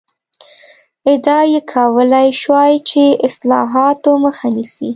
ادعا یې کولای شوای چې اصلاحاتو مخه نیسي.